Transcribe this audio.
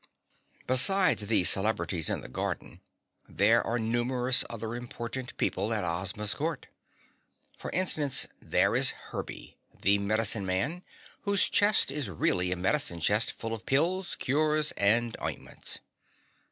Besides the celebrities in the garden, there are numerous other important people at Ozma's court. For instance, there is Herby, the Medicine Man, whose chest is really a medicine chest full of pills, cures and ointments.